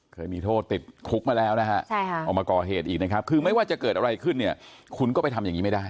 เคยมีโทษติดคุกมาแล้วนะฮะออกมาก่อเหตุอีกนะครับคือไม่ว่าจะเกิดอะไรขึ้นเนี่ยคุณก็ไปทำอย่างนี้ไม่ได้